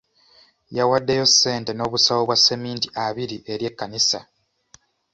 Yawaddeyo ssente n'obusawo bwa sseminti abiri eri ekkanisa.